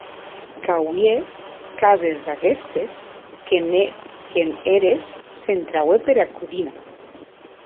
Qu’auie cases d’aguestes qu’en eres s’entraue pera codina.